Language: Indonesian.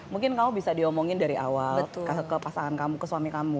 mungkin kamu bisa diomongin dari awal ke pasangan kamu ke suami kamu